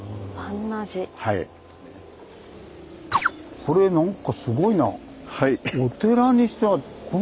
これなんかすごいな。